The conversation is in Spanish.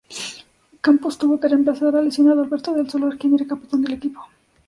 Campos tuvo que reemplazar al lesionado Alberto del Solar, quien era capitán del equipo.